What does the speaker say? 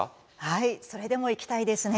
はいそれでも行きたいですね。